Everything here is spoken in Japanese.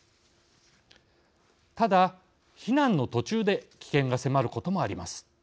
ただ、避難の途中で危険が迫ることもあります。